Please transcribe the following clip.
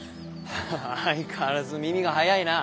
相変わらず耳が早いな。